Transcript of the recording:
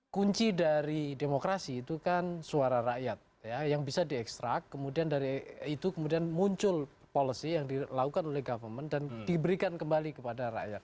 kunci dari demokrasi itu kan suara rakyat yang bisa diekstrak kemudian dari itu kemudian muncul policy yang dilakukan oleh government dan diberikan kembali kepada rakyat